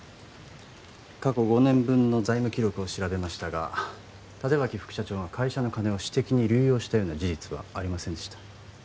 過去５年分の財務記録を調べましたが立脇副社長が会社の金を私的に流用したような事実はありませんでした